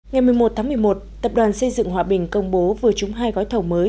ngày một mươi một tháng một mươi một tập đoàn xây dựng hòa bình công bố vừa trúng hai gói thầu mới